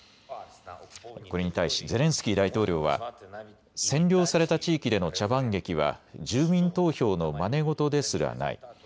これに対しゼレンスキー大統領は占領された地域での茶番劇は住民投票のまね事ですらない。